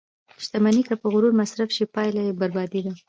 • شتمني که په غرور مصرف شي، پایله یې بربادي ده.